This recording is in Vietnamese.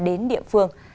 ra đến địa phương